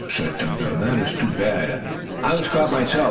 said Tum Tum. "That is too bad. I was caught myself.